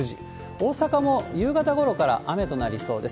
大阪も夕方ごろから雨となりそうです。